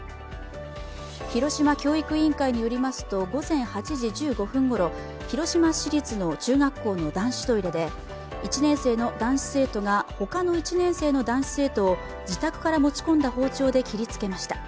広島教育委員会によりますと、午前８時１５分ごろ、広島市立の中学校の男子トイレで１年生の男子生徒が他の１年生の男子生徒を自宅から持ち込んだ包丁で切りつけました。